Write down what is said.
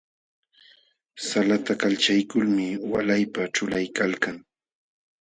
Salata kalchaykulmi walaypa ćhulaykalkan.